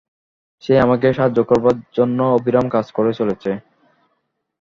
সে আমাকে সাহায্য করবার জন্য অবিরাম কাজ করে চলেছে।